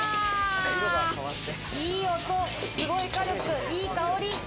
いい音、すごい火力、いい香り。